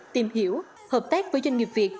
tìm hiểu hợp tác với doanh nghiệp việt